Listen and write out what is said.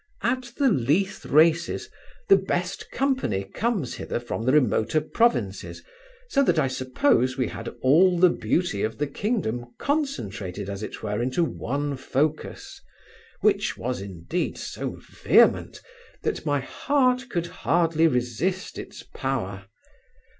At the Leith races, the best company comes hither from the remoter provinces; so that, I suppose, we had all the beauty of the kingdom concentrated as it were into one focus; which was, indeed, so vehement, that my heart could hardly resist its power.